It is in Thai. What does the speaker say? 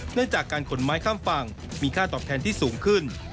เนื่องจากการขนไม้ข้ามฝั่งมีค่าตอบแทนที่สูงขึ้น